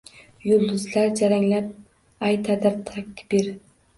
Yulduzlar jaranglab aytadir takbir.